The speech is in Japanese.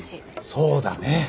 そうだね。